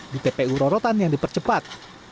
di tpu rorotan yang dipercepat